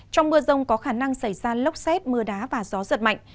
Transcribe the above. trong mưa rông có khả năng xảy ra lốc xét mưa đá và gió giật mạnh